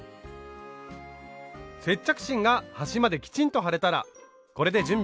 接着芯が端まできちんと貼れたらこれで準備ができました。